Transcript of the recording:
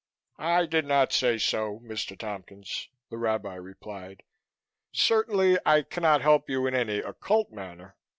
"I did not say so, Mr. Tompkins," the Rabbi replied. "Certainly I cannot help you in any occult manner.